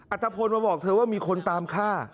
ตะพลมาบอกเธอว่ามีคนตามฆ่า